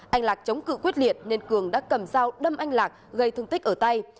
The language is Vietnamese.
anh lạc chống cự quyết liệt nên cường đã cầm dao đâm anh lạc gây thương tích ở tay